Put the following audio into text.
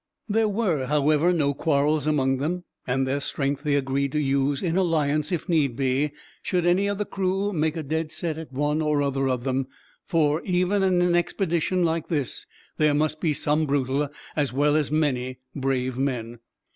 There were, however, no quarrels among them, and their strength they agreed to use in alliance, if need be, should any of the crew make a dead set at one or other of them; for even in an expedition like this there must be some brutal, as well as many brave men.